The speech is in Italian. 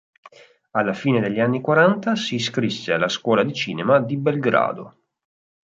Alla fine degli anni Quaranta si iscrisse alla Scuola di cinema di Belgrado.